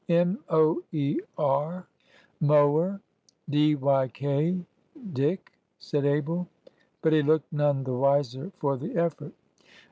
"M O E R, mower; D Y K, dik," said Abel. But he looked none the wiser for the effort.